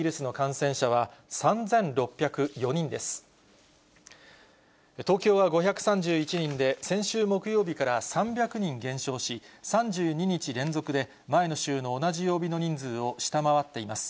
東京は５３１人で、先週木曜日から３００人減少し、３２日連続で、前の週の同じ曜日の人数を下回っています。